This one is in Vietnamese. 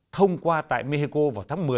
thông qua tại mexico vào tháng một mươi